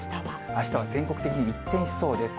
あしたは全国的に一転しそうです。